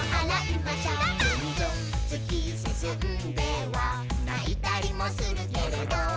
「ないたりもするけれど」